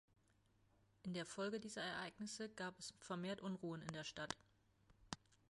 In der Folge dieser Ereignisse gab es vermehrt Unruhen in der Stadt.